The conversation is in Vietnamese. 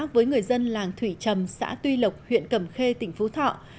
với người dân làng thủy trầm xã tuy lộc huyện cẩm khê tỉnh phú thọ